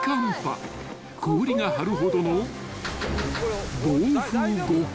［氷が張るほどの］